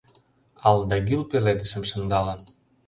Ал да гÿл пеледышым шындалын